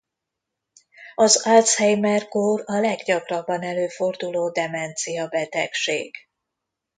Az Alzheimer-kór a leggyakrabban előforduló demencia-betegség.